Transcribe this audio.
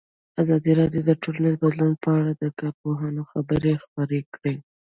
ازادي راډیو د ټولنیز بدلون په اړه د کارپوهانو خبرې خپرې کړي.